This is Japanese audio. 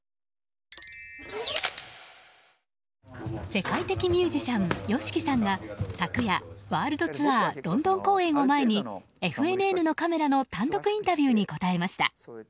世界的ミュージシャンＹＯＳＨＩＫＩさんが昨夜、ワールドツアーロンドン公演を前にＦＮＮのカメラの単独インタビューに答えました。